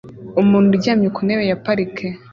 Umuntu uryamye ku ntebe ya parike